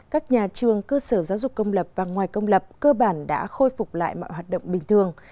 các nhà trường cơ sở giáo dục công lập và ngoài công lập cơ bản đã khôi phục lại mọi hoạt động bình thường